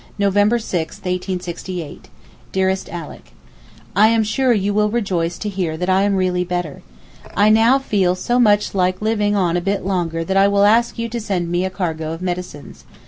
November 6, 1868: Alick BOULAK, November 6, 1868. DEAREST ALICK, I am sure you will rejoice to hear that I am really better. I now feel so much like living on a bit longer that I will ask you to send me a cargo of medicines.